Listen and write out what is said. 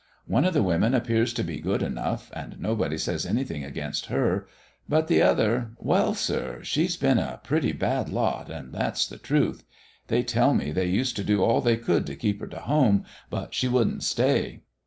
One of the women appears to be good enough, and nobody says anything against her, but the other well, sir, she's been a pretty bad lot, and that's the truth. They tell me they used to do all they could to keep her to home, but she wouldn't stay.